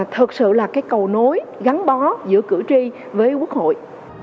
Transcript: thật sự là cái cầu nối gắn bó giữa cử tri với quốc hội